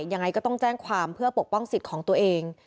ยังไงก็ต้องแจ้งความเพื่อปกป้องสิทธิ์ของตัวเอง